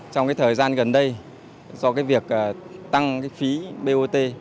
trong cái thời gian gần đây do việc tăng phí bot